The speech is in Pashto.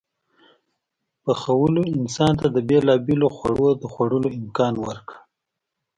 پخولو انسان ته د بېلابېلو خوړو د خوړلو امکان ورکړ.